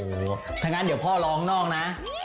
โอ้โหถ้างั้นเดี๋ยวพ่อร้องนอกนะ